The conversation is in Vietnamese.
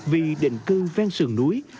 vì định cư ven sườn núi